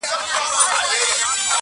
خلک يو بل ملامتوي ډېر سخت,